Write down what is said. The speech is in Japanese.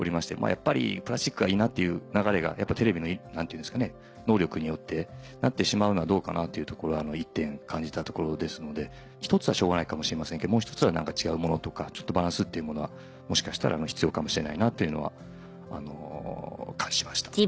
やっぱりプラスチックがいいなっていう流れがやっぱテレビの能力によってなってしまうのはどうかなというところ一点感じたところですので１つはしょうがないかもしれませんけどもう１つは何か違う物とかちょっとバランスっていうものはもしかしたら必要かもしれないなというのは感じました。